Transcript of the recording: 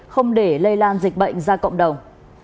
không để lây lan dịch bệnh ra cộng đồng